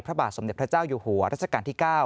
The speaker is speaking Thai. พระบาทสมเด็จพระเจ้าอยู่หัวรัชกาลที่๙